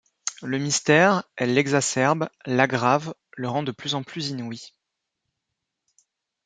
Le mystère, elle l'exacerbe, l'aggrave, le rend de plus en plus inouï.